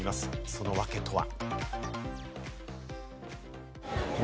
その訳とは？